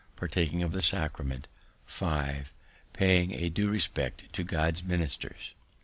Partaking of the Sacrament. 5. Paying a due respect to God's ministers.